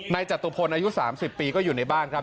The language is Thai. จตุพลอายุ๓๐ปีก็อยู่ในบ้านครับ